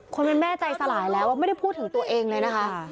คนเป็นแม่ใจสลายแล้วไม่ได้พูดถึงตัวเองเลยนะคะ